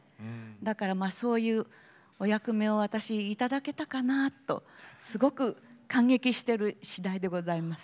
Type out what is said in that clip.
だからまあそういうお役目を私頂けたかなとすごく感激してるしだいでございます。